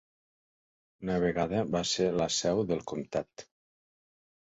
Una vegada va ser la seu del comtat.